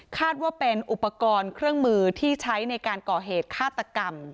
ว่าเป็นอุปกรณ์เครื่องมือที่ใช้ในการก่อเหตุฆาตกรรม